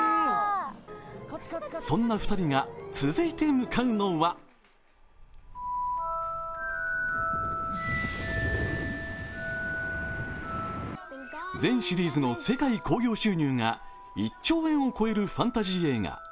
そんな２人が続いて向かうのは全シリーズの世界興行収入が１兆円を超えるファンタジー映画